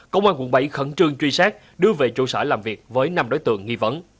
công an quận bảy khẩn trương truy xét đưa về trụ sở làm việc với năm đối tượng nghi vấn